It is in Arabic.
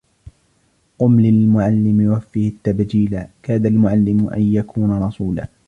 قُـمْ للمعلّمِ وَفِّـهِ التبجيـلا ، كـادَ المعلّمُ أن يكونَ رسولاً.